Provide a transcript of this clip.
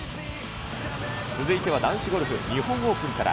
続いては男子ゴルフ、日本オープンから。